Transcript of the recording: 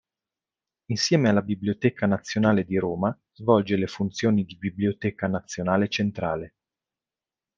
Insieme alla Biblioteca nazionale di Roma, svolge le funzioni di biblioteca nazionale centrale.